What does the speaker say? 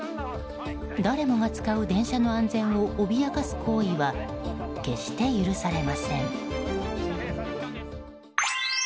誰もが使う電車の安全を脅かす行為は決して許されません。